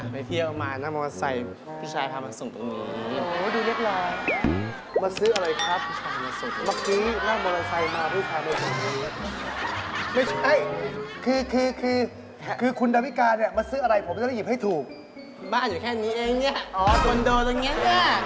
มาเที่ยวมานั่งมีงานทัน